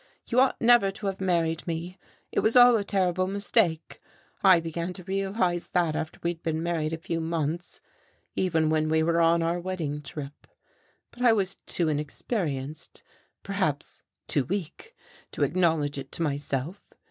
You ought never to have married me, it was all a terrible mistake. I began to realize that after we had been married a few months even when we were on our wedding trip. But I was too inexperienced perhaps too weak to acknowledge it to myself.